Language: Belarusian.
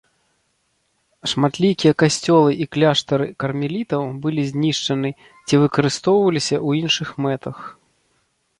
Шматлікія касцёлы і кляштары кармелітаў былі знішчаны ці выкарыстоўваліся ў іншых мэтах.